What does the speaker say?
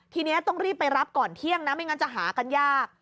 ทีนี้ต้องรีบไปรับก่อนเที่ยงนะไม่งั้นจะหากันยาก